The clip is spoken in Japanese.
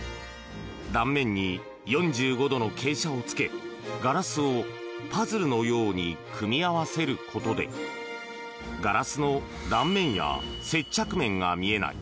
断面に４５度の傾斜をつけガラスをパズルのように組み合わせることでガラスの断面や接着面が見えない